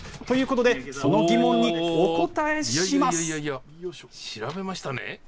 ということで、その疑問にお答え調べましたね。